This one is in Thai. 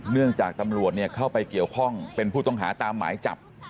เนื่องจากตำรวจเข้าไปเกี่ยวข้องเป็นผู้ต้องหาตามหมายจับ